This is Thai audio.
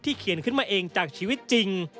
เขียนขึ้นมาเองจากชีวิตจริง